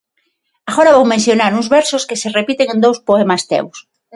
Agora vou mencionar uns versos que se repiten en dous poemas teus.